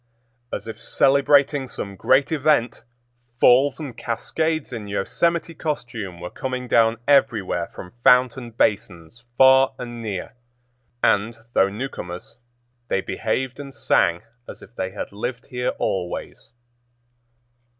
As if celebrating some great event, falls and cascades in Yosemite costume were coming down everywhere from fountain basins, far and near; and, though newcomers, they behaved and sang as if they had lived here always.